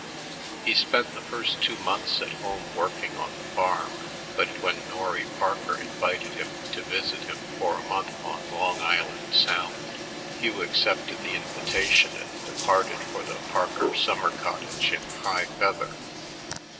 He spent the first two months at home working on the farm, but when Norry Parker invited him to visit him for a month on Long Island Sound, Hugh accepted the invitation and departed for the Parker summer cottage in high feather.